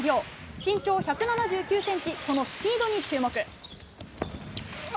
身長１７９ｃｍそのスピードに注目。